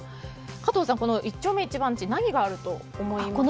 加藤さん、１丁目１番地何があると思いますか？